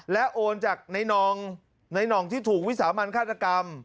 และโอนจากในหน่องที่ถูกวิสามันฆาตกรรม